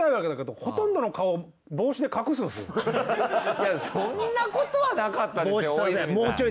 いやそんなことはなかったですよ大泉さん。